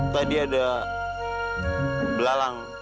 tadi ada belalang